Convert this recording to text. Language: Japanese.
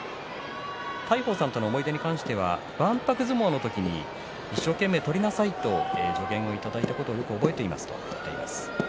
大鵬さんとの思い出に関してはわんぱく相撲の時に一生懸命取りなさいと助言をいただいたことを覚えていますと言っています。